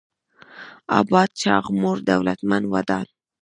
اباد: چاغ، موړ، دولتمن، ودان